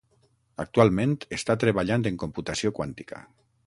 Actualment està treballant en computació quàntica.